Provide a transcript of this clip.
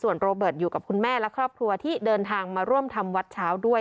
โรเบิร์ตอยู่กับคุณแม่และครอบครัวที่เดินทางมาร่วมทำวัดเช้าด้วย